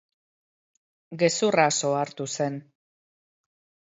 Gezurraz ohartu zen.